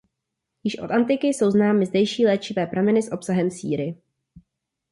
Již od antiky jsou známy zdejší léčivé prameny s obsahem síry.